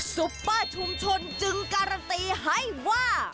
ซุปเปอร์ชุมชนจึงการันตีให้ว่า